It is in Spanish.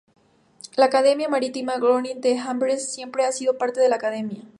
La Academia Marítima Groningen de Amberes siempre ha sido parte de la Academia.